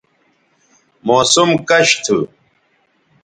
موسم کش تھو